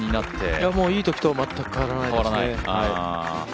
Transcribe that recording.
いや、もう、いいときと、全く変わらないですね。